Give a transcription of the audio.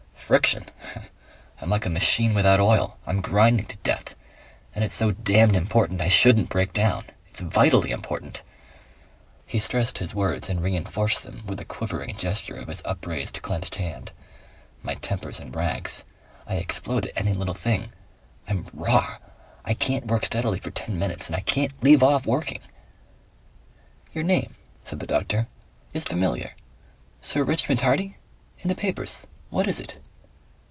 "Friction! I'm like a machine without oil. I'm grinding to death.... And it's so DAMNED important I SHOULDN'T break down. It's VITALLY important." He stressed his words and reinforced them with a quivering gesture of his upraised clenched hand. "My temper's in rags. I explode at any little thing. I'm RAW. I can't work steadily for ten minutes and I can't leave off working." "Your name," said the doctor, "is familiar. Sir Richmond Hardy? In the papers. What is it?"